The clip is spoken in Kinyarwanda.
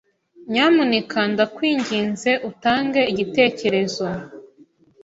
Nyamuneka ndakwinginze utange igitekerezo.